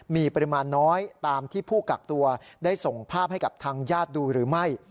มีปริมาณน้อยตามที่ผู้กักตัวได้ส่งภาพให้กับทางญาติดูหรือไม่